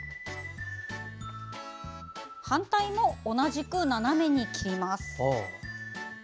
反対も同じく斜めに切ります。